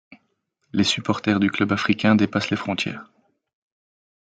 Les supporters du Club africain dépassent les frontières.